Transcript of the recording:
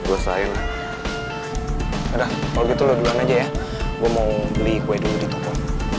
guesahin udah kalau gitu loh duluan aja ya gue mau beli kue dulu di toko